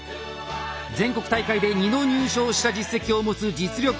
全国大会で２度入賞した実績を持つ実力派！